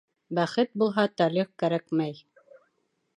Бәхет булһа, талиғ кәрәкмәй.